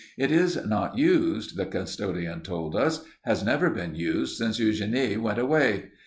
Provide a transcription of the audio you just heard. It is not used, the custodian told us has never been used since Eugénie went away.